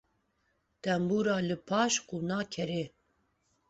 Tembûra li paş qûna kerê.